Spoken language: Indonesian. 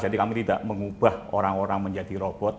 jadi kami tidak mengubah orang orang menjadi robot